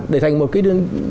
để thành một cái